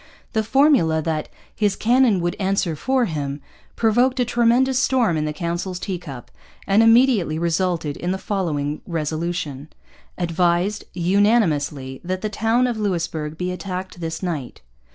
The formula that 'his cannon would answer for him' provoked a tremendous storm in the council's teacup and immediately resulted in the following resolution: 'Advised, Unanimously, that the Towne of Louisbourg be Attacked this Night.'